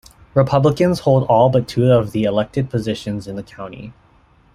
Republicans hold all but two of the elected positions in the county.